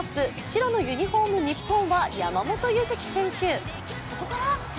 白のユニフォーム・日本は山本柚月選手。